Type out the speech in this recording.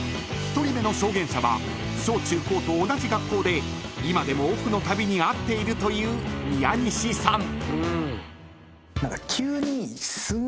［１人目の証言者は小中高と同じ学校で今でもオフのたびに会っているという宮西さん］